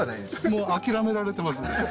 もう、諦められています。